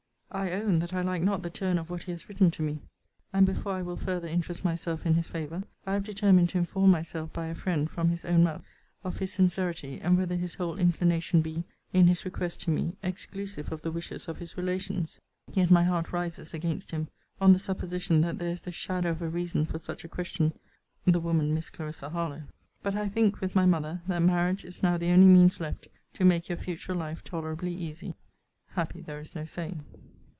I own, that I like not the turn of what he has written to me; and, before I will further interest myself in his favour, I have determined to inform myself, by a friend, from his own mouth, of his sincerity, and whether his whole inclination be, in his request to me, exclusive of the wishes of his relations. Yet my heart rises against him, on the supposition that there is the shadow of a reason for such a question, the woman Miss Clarissa Harlowe. But I think, with my mother, that marriage is now the only means left to make your future life tolerably easy happy there is no saying.